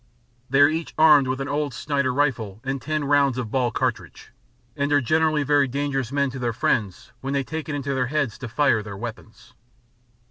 They are each armed with an old snider rifle and 10 rounds of ball cartridge, and are generally very dangerous men to their friends when they take it into their heads to fire their weapons.